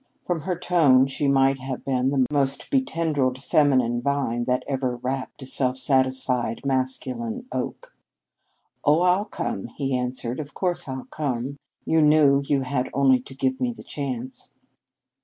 From her tone she might have been the most betendriled feminine vine that ever wrapped a self satisfied masculine oak. "Oh, I'll come," he answered. "Of course I'll come. You knew you had only to give me the chance."